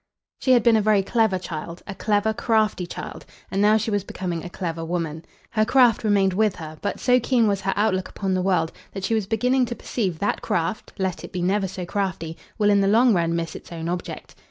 She had been a very clever child, a clever, crafty child; and now she was becoming a clever woman. Her craft remained with her; but so keen was her outlook upon the world, that she was beginning to perceive that craft, let it be never so crafty, will in the long run miss its own object.